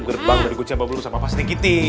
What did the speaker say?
gerbang udah dikunci apa belum sama pak sri kiti